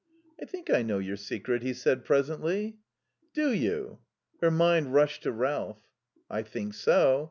"I think I know your secret," he said presently. "Do you?" Her mind rushed to Ralph. "I think so.